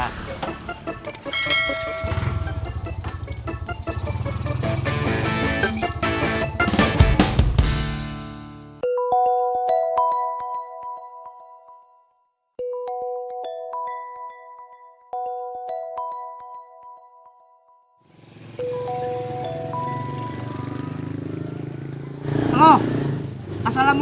pantes dengan jokowi maulanya